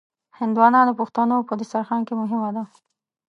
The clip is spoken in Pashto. هندوانه د پښتنو په دسترخوان کې مهمه ده.